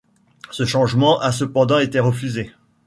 Ce changement a cependant été refusé.